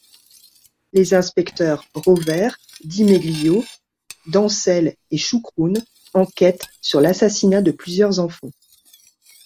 Les inspecteurs Rovère, Dimeglio, Dansel et Choukroun enquêtent sur l'assassinat de plusieurs enfants.